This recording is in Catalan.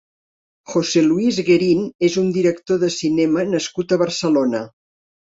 José Luis Guerín és un director de cinema nascut a Barcelona.